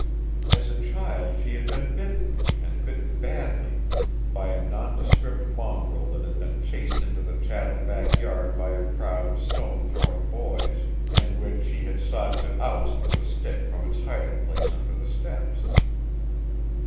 As a child she had been bitten and bitten badly by a nondescript mongrel that had been chased into the Chatham backyard by a crowd of stone throwing boys, and which she had sought to oust with a stick from its hiding place under the steps.